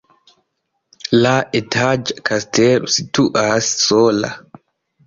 La etaĝa kastelo situas sola.